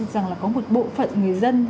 rằng là có một bộ phận người dân